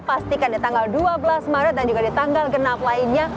pastikan di tanggal dua belas maret dan juga di tanggal genap lainnya